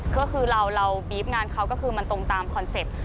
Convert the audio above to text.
ก็คือเราบีฟงานเขาก็คือมันตรงตามคอนเซ็ปต์